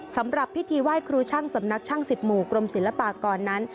สำหรับพิธีไหว้ครูช่างสำนักช่างสิบหมู่กรมศิลปากรนั้น